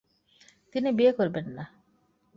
তিনি বিয়ে করবেন না।